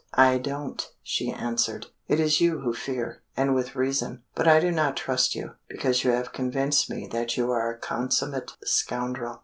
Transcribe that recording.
"I don't," she answered. "It is you who fear, and with reason. But I do not trust you, because you have convinced me that you are a consummate scoundrel.